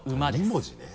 ２文字ね？